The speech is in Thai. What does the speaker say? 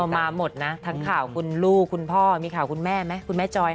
มาหมดนะทั้งข่าวคุณลูกคุณพ่อมีข่าวคุณแม่ไหมคุณแม่จอย